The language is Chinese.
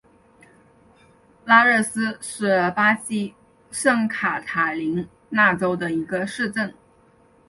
拉热斯是巴西圣卡塔琳娜州的一个市镇。